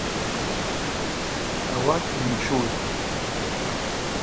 Ауат гьымчузтӏ.